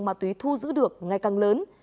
ma túy thu giữ được ngày càng lớn